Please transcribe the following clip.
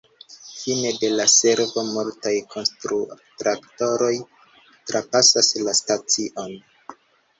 Fine de la servo, multaj konstru-traktoroj trapasas la stacion.